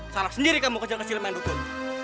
salah sendiri kamu kejar kecil main dukun